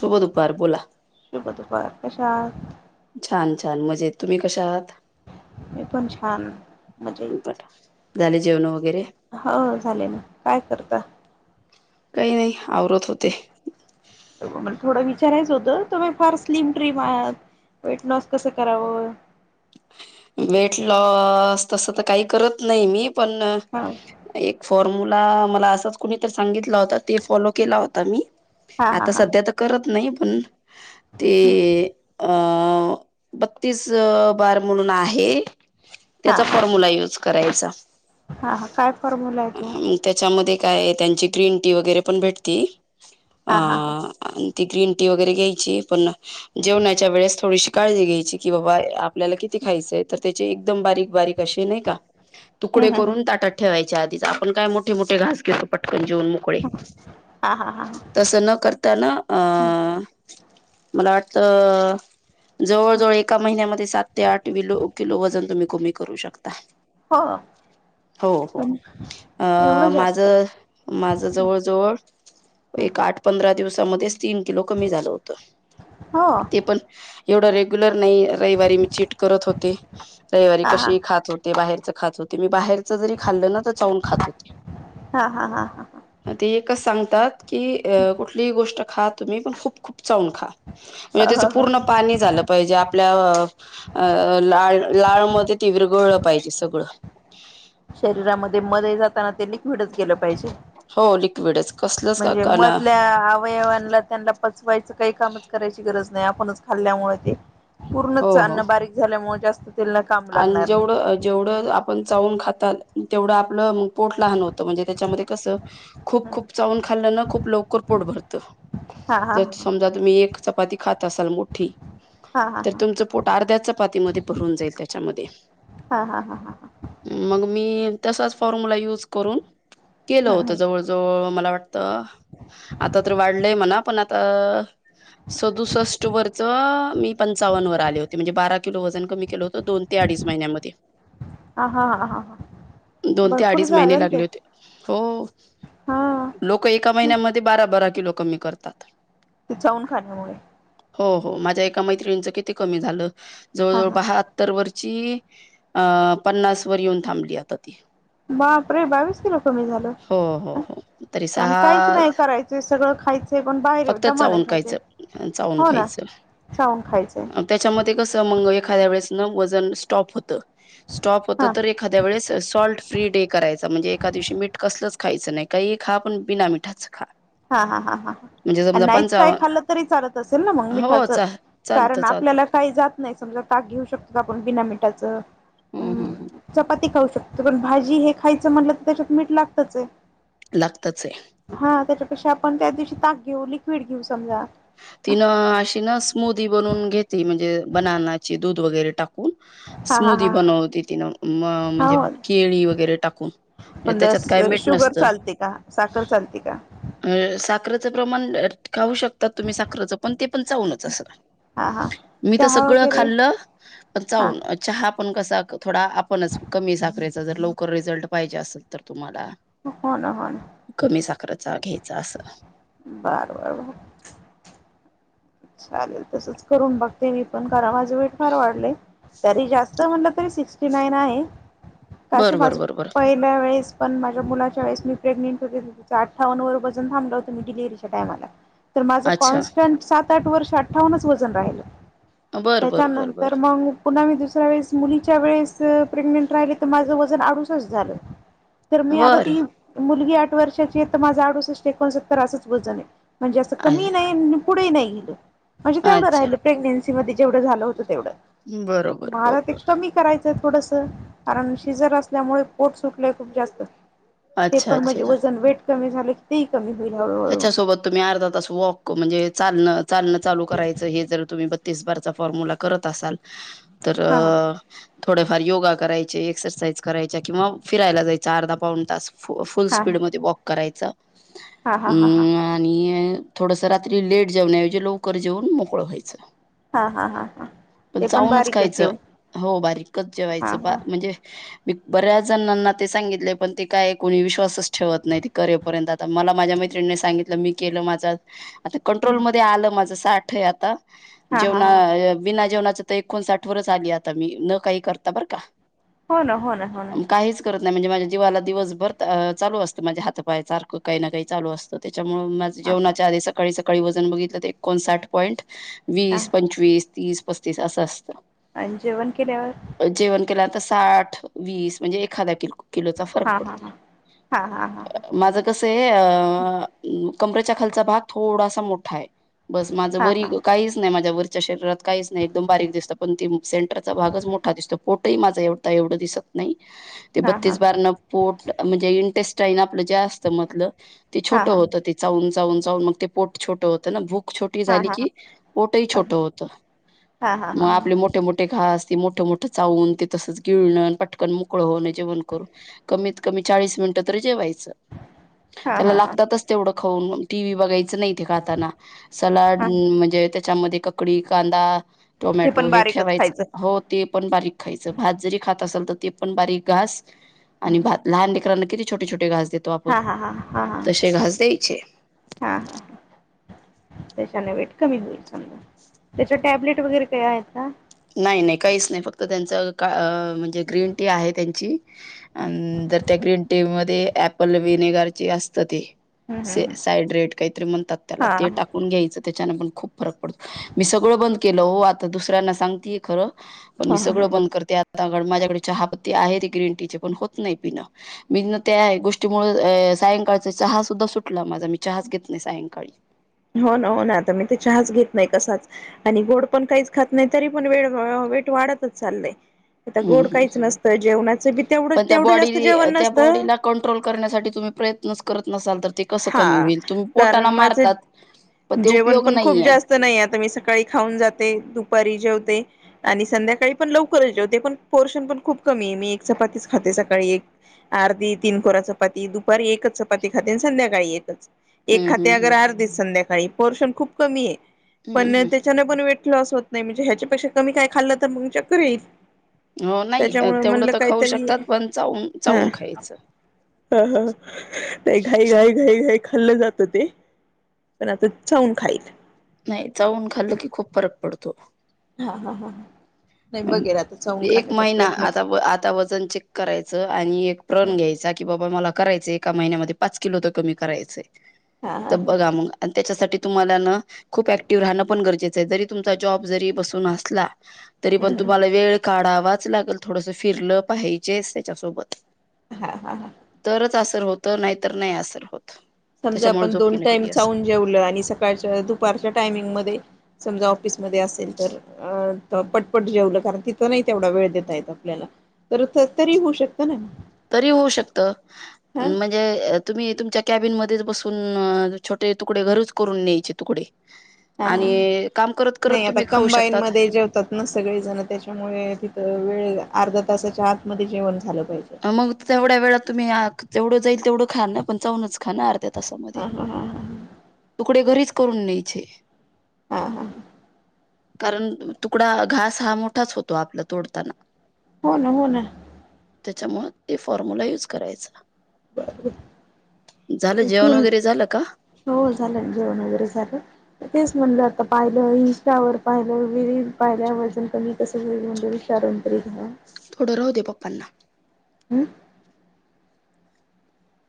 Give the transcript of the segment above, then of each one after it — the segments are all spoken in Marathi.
शुभ दुपार बोला, शुभ दुपार कशा आहात? छान. छान म्हणजे तुम्ही कशा आहात. मी पण छान मजेत बट झाले जेवण वगैरे हो झालेन काय करता. काही नाही. आवरत होते. मला थोडं विचारायचं होतं तुम्ही फार स्लिम ट्रिम आहात वेट लॉस कसं करावं. वेट लॉस तस तर काही करत नाही मी पण हा एक फॉर्म मुला मला असंच कुणीत सांगितलं होत ते फॉलो केल होत मी हा हा आता हा सध्या तर करत नाहीत हम्म. ते, अ अ बत्तीस अह पर म्हणून आहे हा त्याचा हा फॉर्म्यला युज करायचा. हा हा काय फॉर्म्युला आहे तो? त्याच्यामध्ये काय त्यांची ग्रीन टी वगैरे पण भेटती अ हा हा हा ती ग्रीन टी वगैरे घ्यायची, पण जेवणाच्या वेळेस थोडीशी काळजी घ्यायची की बाबा आप आपल्याला किती खायचय तर त्याचे एकदम बारीक आपल्याला किती खायचंय, तर त्याचे एकदम बारीक बारीक असे नाही का तुकडे हम्म हम्म करून ताटात ठेवायचे आधीच, आपण काय मोठे मोठे घास घेतो, पटकन जेऊन मोकळे... हम्म हा हा हा हा तसं न करताना अ... हम्म मला वाट अ जवळ जवळ एका महिन्यामध्ये सात ये आठ किलो वजन तुम्हीं करू शकताय. हो हो-हो पण आ एवढं माझ. जास्त हं, माझ जवळ-जवळ हं. एक आठ-पंधरा दिवसामध्येच. तीन किलो कमी झालं होत. हो ते पण एवढ रेगुलर नाही रविवारी मी ची करत होते. रविवारी हा हा कशी खात होते बाहेर. खात होते मी बाहेर. च जरी खाल्ल ना तरी चावून खात होते. हा हा हा हा ते एकच सांग त्यात. की अ कुठलीही गोष्ट खात. तुम्हीं पण खूप-खप. चावून खा म्हणजे त्याच पूर्ण पाणी झालं पाहिजे. आपल्या लाळ-लाळ मध्ये ते विरगळ पाहिजे सगळं. शरीरामध्ये मध् जात. हा ते लिक्विडच ग केलं पाहिजे. हो लिक्विडच कसलंच म्हणजे का ना. मधल्या अवयवांना त्यांना पचवायचं काही कामच करायची गरज नाही. नाही आपणच खाल्ल्यामुळे ते. पूर्णच हो च हो अन्न बारीक झाल्यामुळे जास्त तेलला काम आणि लागणार नाही. जेवढं-जेवढं आपण चावून खातात तेवढं आपलं, पोट लहान होत म्हणजे त्याच्यामध्ये कस खूप-खूप चावून खाल्लं, खूप लवकर पोट भरत हा हा ज समजा तुम्ही एक चपाती खात असाल मोठी. हा हा तर तुमचं पोट अर्ध्याच्या पातीमध्ये भरून जाईल त्या हा हा हा हा मग, मी तसाच फॉर्म्यला यु अस करून केलं होतं जवळ-जवळ म वाट आता तर वाढलंय म्हणा पण आता. सदुसष्ट वरच मी पंचावन्न वर आले होते म्हणजे बारा किलो वजन कमी केलं होत. ते अडीच महिन्यामध्ये हा हा हा हा दोन ते भरपूर अडीच झालं महिने ना ते लागले होते. हो हा लोक एका ते महिन्यामध्ये बारा-बारा. किलो कमी करतात. ते चाऊन खाण्यामुळे हो-हो माझ्या एका मैत्रिंचं किती कमी झालं. हा जवळ-जवळ हा बहात्तर वर्ष. चि अ पन्नास वर येऊन थांबली आता ती. बाप रे बावीस किलो कमी झाल, हो, हो, हो. तरी आणि काहीच नाही करायचं सगळं खायचंय पण बाहेर फक्त दमान चावून खायचेय खायचं चावून हो ना खायचं. चाऊून खायचंय. न वज. जणू स्टॉप होत स्टॉप होत हा तर एखाद्या वेळेस सॉल्ट फ्री डे करायचं म्हणजे एखाद्या दिवशी मीठ कसलंच खायचं नाही काहीही खा पण बिना मिठाचं खा हा-हा-हा ह म्हणजे आणि समजा नाहीच काय खाल्लं तरी चालत असेल ना मग हो, मिठाच चा चालतं, कारण चालतं. आपल्याला काही जात नाही समजा ताक घेऊ शकतो. पण बिना मठाचं हं, हं, हं. हम्म चपाती खाऊ शकतो तो पर्यंत भाजी हे खायचं म्हटलं तर त्याच्यात मीठ लागतच आहे लागतंच आहे कशी आपण त्या दिवशी ताक घेऊ लिक्विड घेऊ समजा तिनं अशी ना स्मूदी बनून घेतेली म्हणजे बनानाची दूध वगैरे टाकू कून हा हा स्मूदी हा बनव तिनं म म्हंजे हो केळी वगैरे टाकून म पण त्यांच्यात काय मीठ शुगर नसंत अ चालते का साखर चालते का ह् साखरत चं प्रमाण ल खाऊ शकत‍ तुम्ही साखरच पण ते पण चाऊूनच असं, हा हा मी तर चहा सगळं वगैरे खाल्लं प हा चाऊून चहा आपण कसा थोडा आपणच कमी साखरेचा जर लवकर रिझल्ट पाहिजे असेल तर तुम्हाला हो ना हो ना [inaudible] कमी साखरचा घ्यायचा असं बर बर बर चालेल तसंच करून बघते मी पण करा माझे वेट फार वाढलेय तरी जास्त म्हणलं तरी सिक्स्टी नाईन आहे कासं बर बर माझं बर बर पहिल्या्या वेळेस पण माझ्या मुलाच्या वेळेस मी प्रेग्नेंट होते त त्याचा अठ्ठावन्न वरपासून थांबलं होत मी डिलव्हीच्या टायमाला तर माझं अच्छा कॉन्स्टंट साफ साठ वर्ष अठ्ठावन्च वजन राहिलं बर बर बर बर त्याच्यानंतर मग पुन्हा मी दुसऱ्या वेळेस मुलीच्या वेळेस प्रेग्नेंट राहिले तर माझं वजन आडूसठ झालं तर मी आता बर ती मुलगी वर्षाची आहे तर माझं आडूसष्ट एकोणसत्तर असं वजन आहे. म्हणजे असं कमी ही नाही आणि पुढे ही नाही [unintelligible] म्हणजे तेवढं अच्छा राहिलं प्रेग्नेसी-‍- तेव्हा ते जेवढं झालं होतं तेवढं बरोबर मला ते बरोबर कमी करायचं ते थोडस कारण सिझर असल्यामुळे पोट सुटलंय खूप जास्त ते अच्छा पण अच्छा म्हणजे अच्छा वजन वेट कमी झाले की ते ही कमी होईल हळूहळू त्याच्यासोबत तुम्ही अर्धा तास वॉक म्हणजे चालणं चालन चालू करायच हे जर तुम्ही प तीस बारचा फॉर्म्यला करत असाल तर हा अ थोडेफार योगा करायचे, एक्सरसाईज करायच्या किंवा फिरायला जायच अर्धा पाऊन तास फुल हा हा स्पीडमध्ये वॉक करायच. हा. हा हा ह आणि थोडस रात्री लेट जेवण्याऐवजी लवकर जेवून मोकळं व्हायचं. हा हा हा हा पण ते चाऊनच बारीकच खायचं जेव हो बारीकच हा जेवायचं बा हा म्हणजे मी बऱ्याच जणांना ते सांगितले पण ते काय कोणी विश्वासच ठेवत नाही. करेपर्यंत आता मला माझ्या मै त्रिणी सांगितलं मी केलं माझ आता कंट्रोलमध्ये आलं माझं साठ ठ आहे आता हा हा जेवणा हा बिना जेवणाच आता एकोणसाठ वरच आली आता मी न काही करता बरं का हो ना हो ना हो ना. काहीच करत नाही म्हणजे माझ्या जीवाला दिवसभर चालू असतं माझे हातपाय सारखं काही ना काही चालू असतं. तर त्याच्यामुळं माझं हा जेवणाच्या आधी सकाळी सकाळी वजन बघितलं तर एकोणसाठ पॉईंट हा वीस, पंचवीस, तीस पस्तीस असं असतं. आणि जेवण केल्यावर जेवण केलं आता साठ, वीस म्हणजे एखादा किलो किलोचा फरक हा हा पडतो हा हा हा हा माझं कस आहे अ कमरेच्या खालचा भाग थोडासा मोठा आहे. बस माझं हा हा वरी काहीच नाही माझ्या वर च्या शरीरात काहीच नाही एकदम बारीक दिसतं पण ती सेंटरचा भागच मोठा दिसतो. पोटही माझ एवढा एवढं दिसत नाही. ते हा हा बत्तीस बार न पोट म्हणजे इंटेस्टाईन आपलं जे असतं मधलं हा छोट हा होत ते चावून चावून चावून मग ते पोट छोटं होत ना भूक छोटी हा झाली हा हा की पोटही छोट होत हा हा हा मग आपले मोठे मोठे घास ते मोठं मोठं चावून ते तसच गिळण पटकन मोकळ होण जेवण करू कमीत कमी चाळीस मिनटं तरी जेवायच. हा त्याला हा ला हा थ खऊ टी वही बघायचं नाही खाताना सलाड हा म्हणजे त्याच्या ककडी कांदा ते टोमॅटो पण हे बारीकच ठेवायच खायचं हो ते पण बारीक खायचं भात जरी खात असेल तर ते पण बारीक घास आणि भात लहान लेकरांना किती छोटे छोटे घास देतो आपण हा हा हा हा हा. तसे घास द्यायचे. हा हा त्याच्याने वेट कमी होईल समजा त्याच्या टॅब्लेट वगैरे काय आहेत का? नाही नाही काहीच नाही फक्त त्यांच काण जे ग्रीन टी आहे त्यांची अंतर त्या ग्रीन टी मध्ये एप्पल विनेगरची असत ती हा साईड रेट काहीतरी म्हणतात त्याला ते हा टाकून घ्यायचं त्याच्यान पण खूप फरक पडतो. मी सगळं बंद केलं हो. आता दुसऱ्यांना सांग- तीय खरं- पण मी सगळं बंद करते. आता माझ्याकडे चहा प- ते आहे ते ग्रीन टीचे, पण होत नाही पिणं. मी त्या गोष्टी मुळे सायंकाळचा चहा सुद्धा सुटला माझा. मी चहाच घेत नाही सायंकाळी. हो ना, हो ना आता मी तर चहाच घेत नाही कसाच आणि गोड पण काहीच खात नाही. तरी पण वेळ वेट वाढतच चाललंय- आता ह. गोड हं काहीच नसतं जेवणाचं बी तेवढं पण त्या तेवढं जास्त बॉडी- जेवण त्या नसतं बॉडीला कंट्रोल करण्यासाठी तुम्ही प्रयत्नच करत नसाल तर? ते कसं हा कमी होईल तुम्ही पोटाला कारण मारतात पण माझं ते जेवण उपयोग पण खूप नाहीये जास्त नाही आता मी सकाळी खाऊन जाते दुपारी जेव- आणि संध्याकाळी पण लवकरच जेवते. पण पोर्शन पण खूप कमी आहे मी एक चपातीच खाते सकाळी एक अर्धी तीन कोरा चपाती दुपारी एकच चपाती खाते- संध्याकाळी एकच. एक हम्म खाते अगर हम्म आर्धीच सं - बाई पोर्शन खूप कमी आहे. पण हम्म नाही हम्म त्याच्याने पण वेट- लॉस होत नाही म्हणजे ह्याच्यापेक्षा कमी काय खाल्लं तर मग चक्कर येईल. हो नाही त्याच्यामुळ तेवढं म्हणलं तर खाऊ काहीतरी शकतात पण चावून हा. चावून खायचं घाई घाई घाई घाई. खाल्लं जातं ते. पण आता चाऊन खाईल. नाही चावून खाल्लं की खूप फरक पडतो. हा हा हा हा. एक महिना आता. आता वजन चेक करायचं आणि एक प्रण घ्यायचा की बाबा मला- करायच एका महिन्यामध्ये पाच किलो तर कमी करायचंय. हा तर हा बघा मग. आणि त्याच्यासाठी तुम्हाला ना खूप ऍक्टिव्ह राहण पण गरजेचं आहे. जरी तुमचा जॉब जरी बसून असला तरी पण हम्म तुम्हाला हम्म वेळ काढावा वाच लागल. थोडस फिरलं पाहिजेच त्याच्यासोबत हा हा ह. तरच असर होतो नाहीतर नाही असर होत. समजा, त्याच्यामुळे आपण झोप दोन येन टाइम गेली चाऊून असेल जेवलं आणि सकाळच्या, दुपारच्या टायमिंग मध्ये समजा ऑफिसमध्ये असेल तर पटपट जेवलं कारण तिथं नाही तेवढा वेळ देता येत आपल्याला तर, तरी होऊ शकत- तरी होऊ शकत. हा म्हणजे तुम्ही तुमच्या कॅबिनमध्ये बसून छोटे तुकडे घरीच करून न्यायचे तुकडे. हा. आणि काम करत करत नाही आता, तुम्ही खाऊ कंबाईन शकतात मध्ये जेवतात ना सगळे जण त्याच्यामुळे तिथं वेळ अर्ध्या तासाच्या आतमध्ये जेवण झालं पाहिजे मग तेवढ्या वेळ तुम्ही आह जेवढं जाईल तेवढ खा ना पण चाऊनच खाणार ना अर्ध तासामध्ये. हा हा हा तुकडे घरीच करून न्यायचे. हा. हा. ह. कारण तुकडा घास हा मोठाच होतो आपला तोडताना. हो ना. हो ना. त्याच्यामुळ ते फॉर्म्यला युज करायचा. झालं क जेवण वगैरे झालं का हो झालं जेवण वगैरे झालं. तेच म्हटलं आता पाहिलं. इंस्टावर पाहिलं. व पाहिल्या वजन कमी थोडं राहू दे पप्पांना [unintelligible] हम्म.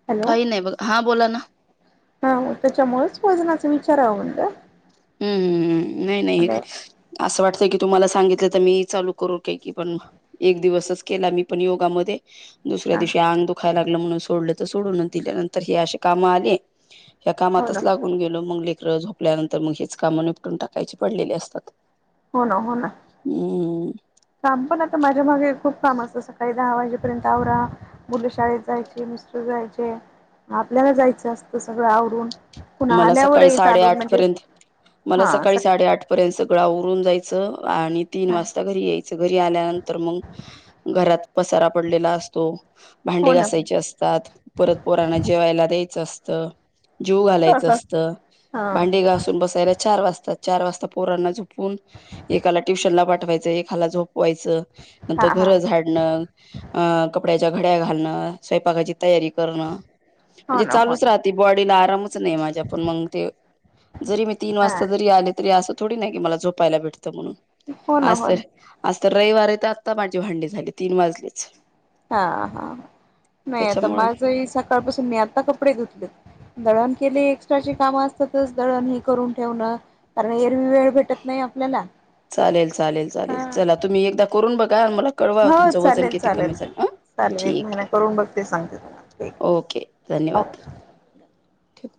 हॅलो काही नाही बघ हा बोला ना. हा त्याच्यामुळेच वजनाचा विचारा व म्हनल. हम्म हम्म्. नाही-नाही असं वाटत जे की तुम्हाला सांगितलं तर. मी चालू करू का की पण एक दिवसच केला मी पण योगामध्ये दुसऱ्या हा दिवशी आंग दुखायल म्हणून सोडलं तर. सोडून दिल्या. नंतर हे अशी काम आली. या हो ना कामातच हो लागून गेलो मग. ले झोपल्या नंतर तर मग हीच कामं निपटून टाकायची पडलेली असतात. हो ना. हो ना. हम्म काम पण आता माझ्या मागे खूप काम असतं सकाळी दहा वाजेपर्यंत आवरा. मुलं शाळेत जायचे. मिस्टर जायचे. आपल्याला जायचं असतं सगळं आवरून पुन्हा मला सकाळी आल्यावरही चालून साडे-आठ म्हणजे पर्यंत मला हा स सकाळी साडे-आठ पर्यंत सगळं आव रून जायचं आणि तीन वाजता घरी यायच. घरी आल्यानंतर मग घरात पसारा पडलेला असतो. भांडे हो ना हो घासायचे असतात. परत पोरांना जेवायला द्यायचं अस तर जेवू घाल ह असत ह भांडे घासून बसायला चार वाजतात. चार वाजता पोरांना झोपून एकाला ट्युशन ला पाठवायचं एकाला झोप वायच हा हा नंतर हा घर झाडणं अ कपड्याच्या घड्या घालणं स्वयंपाकाची तयारी करणं हो म्हणजे ना हो चालूच ना राहती बॉडीला आरामच नाही. आपण मग ते. जरी मी तीन हा वाजता जरी आले. तरी अस थोडी नाही की मला झोपायला भेटत. भेटत म्हणून हो ना आज हो ना तर. आज तर. रविवार आहे. आत्ता आत्तामाझी भांडी झाली तीन वाजलीच हा हा नाही आता त्याच्यामुळं माझही सकाळपासून मी आता कपडे घेतले दळण केली एक्स्ट्राची कामं असतातच दळण हे करून ठेवणं कारण एरवी वेळ भेटत नाही आपल्याला चालेल चालेल चालेल हा चला तुम्ही एकदा करून बघ हो चालेल चालेल अ चालेल एक ठीक महिना आहे करून बघते सांगते तुला क ओके ठीक